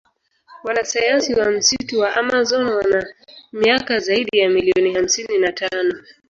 Wanasayansi wa msitu wa amazon wana miaka zaidi ya million hamsini na tano